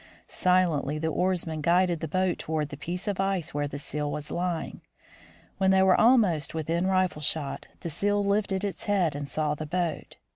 Silently the oarsmen guided the boat toward the piece of ice where the seal was lying. When they were almost within rifle shot, the seal lifted its head and saw the boat.